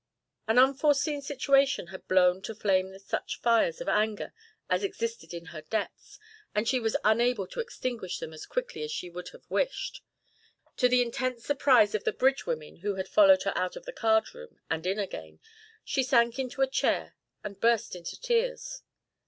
An unforeseen situation had blown to flame such fires of anger as existed in her depths, and she was unable to extinguish them as quickly as she would have wished. To the intense surprise of the bridge women who had followed her out of the card room and in again, she sank into a chair and burst into tears.